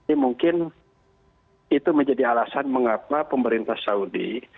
ini mungkin itu menjadi alasan mengapa pemerintah saudi